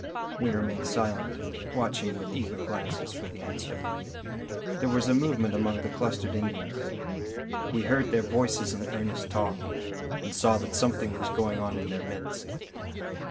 We remained silent, watching with eager glances for the answer. There was a movement among the clustered Indians. We heard their voices in earnest talk, and saw that something was going on in their midst.